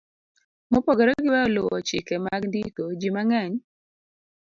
Mopogore gi weyo luwo chike mag ndiko, ji mang'eny